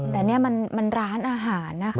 แต่นี่มันร้านอาหารนะคะ